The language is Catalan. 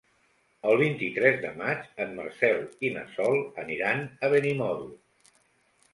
El vint-i-tres de maig en Marcel i na Sol aniran a Benimodo.